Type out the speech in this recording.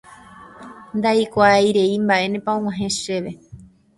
ndaikuaairei mba'énepa og̃uahẽ chéve